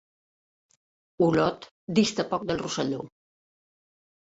Olot dista poc del Rosselló.